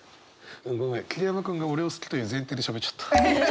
ごめん桐山君が俺を好きという前提でしゃべっちゃった。